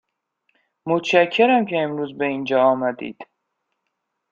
متشکرم که امروز به اینجا آمدید.